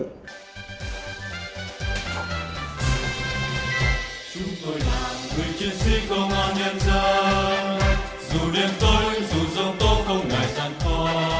chúng tôi là người chiến sĩ công an nhân dân dù đêm tối dù giông tố không ngại gian to